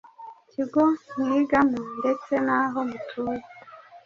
kigo mwigamo ndetse n’aho mutuye?”